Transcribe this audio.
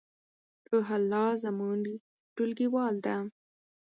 روح الله زمونږ ټولګیوال ده